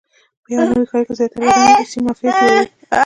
په نوي ښار کې زیاتره ودانۍ روسیې مافیا جوړې کړي.